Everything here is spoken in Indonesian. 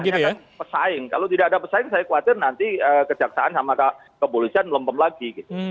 ini akan pesaing kalau tidak ada pesaing saya khawatir nanti kejaksaan sama kepolisian lempem lagi gitu